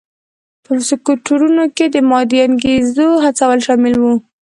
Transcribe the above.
په سکتورونو کې د مادي انګېزو هڅول شامل و.